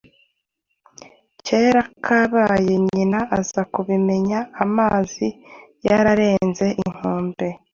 Kera kabaye nyina aza kubimenya amazi yararenze inkombe,